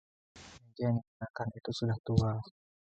Meja yang digunakan Ken itu sudah tua.